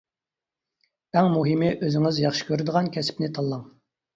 ئەڭ مۇھىمى ئۆزىڭىز ياخشى كۆرىدىغان كەسىپنى تاللاڭ.